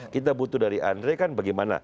kita butuh dari andre kan bagaimana